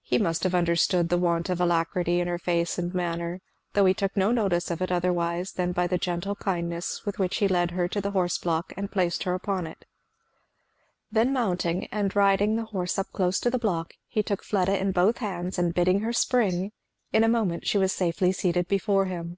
He must have understood the want of alacrity in her face and manner, though he took no notice of it otherwise than by the gentle kindness with which he led her to the horse block and placed her upon it. Then mounting, and riding the horse up close to the block, he took Fleda in both hands and bidding her spring, in a moment she was safely seated before him.